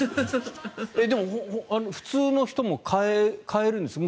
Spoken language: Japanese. でも、普通の人も買えるんですか？